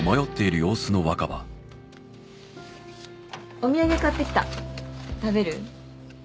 お土産買ってきた食べる？